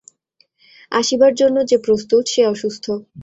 আসিবার জন্য যে প্রস্তুত, সে অসুস্থ।